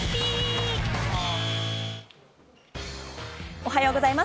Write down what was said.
おはようございます。